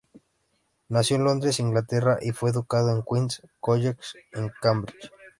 Nació en Londres, Inglaterra y fue educado en el Queens College, en Cambridge.